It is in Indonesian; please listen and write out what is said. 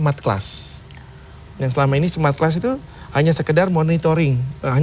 smart class yang selama ini smart class itu hanya sekedar monitoring